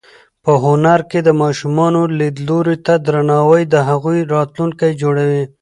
په هنر کې د ماشومانو لیدلوري ته درناوی د هغوی راتلونکی جوړوي.